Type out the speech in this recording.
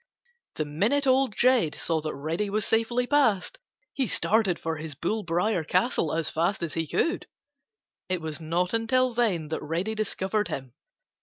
The minute Old Jed saw that Reddy was safely past, he started for his bull briar castle as fast as he could. It was not until then that Reddy discovered him.